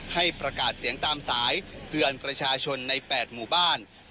ให้ประกาศเสียงตามสายเตือนประชาชนใน๘หมู่บ้าน